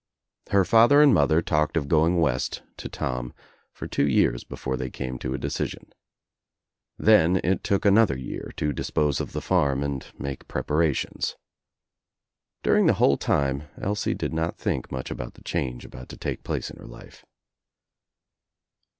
Her father and mother talked of going west to Tom for two years before they came to a decision. Then it took another year to dispose of the farm and make preparations. During the whole time Elsie did not think much about the change about to take place in her life.